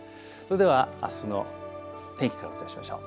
ではあすの天気、お伝えしましょう。